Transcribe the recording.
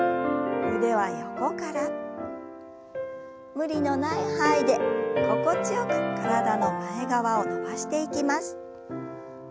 無理のない範囲で心地よく体の前側を伸ばしていきます。